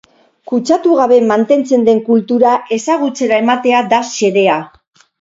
Kutsatu gabe mantentzen den kultura ezagutzera ematea da xedea.